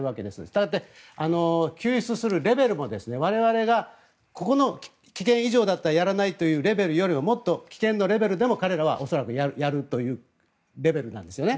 したがって、救出するレベルも我々がここの危険以上だったらやらないというレベルよりもっと危険なレベルでも彼らは、恐らくやるというレベルなんですよね。